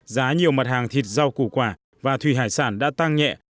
giá nhiều mặt hàng thịt rau củ quả và thủy hải sản đã tăng nhẹ